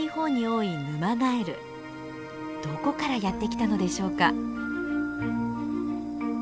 どこからやって来たのでしょうか。